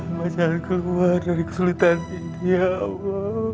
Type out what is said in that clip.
dilah sama jangan keluar dari kesulitan ini ya allah